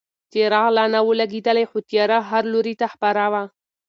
څراغ لا نه و لګېدلی خو تیاره هر لوري ته خپره وه.